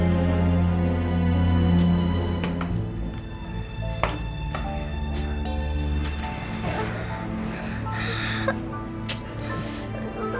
apa yang berubah